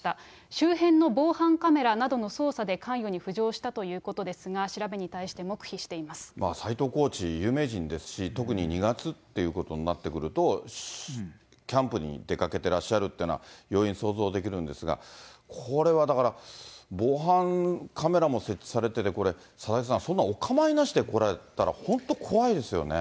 周辺の防犯カメラなどの捜査で関与に浮上したということですが、斎藤コーチ、有名人ですし、特に２月っていうことになってくると、キャンプに出かけてらっしゃるっていうのは、容易に想像できるんですが、これはだから、防犯カメラも設置されてて、佐々木さん、そんなお構いなしで来られたら、本当怖いですよね。